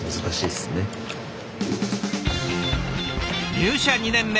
入社２年目